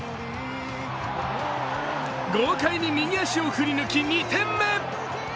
豪快に右足を振り抜き、２点目。